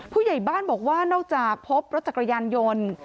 ผู้ใหญ่บ้านบอกว่านอกจากพบรถจักรยานยนต์